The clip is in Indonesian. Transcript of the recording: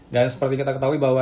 dan seperti kita ketahui bahwa